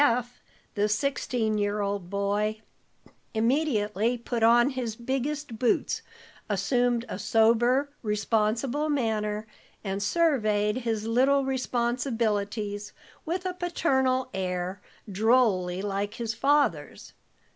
Eph, the sixteen year old boy, immediately put on his biggest boots, assumed a sober, responsible manner, and surveyed his little responsibilities with a paternal air, drolly like his father's.